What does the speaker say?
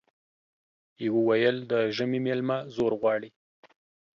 يوه ويل د ژمي ميلمه زور غواړي ،